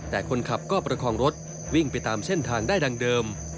แต่คนขับก็ประคองรถวิ่งไปตามเส้นทางได้ดังเดิม